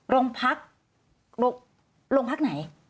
โรงพักโรงพักไหน